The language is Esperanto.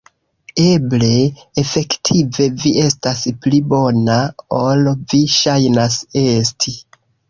Eble, efektive, vi estas pli bona, ol vi ŝajnas esti.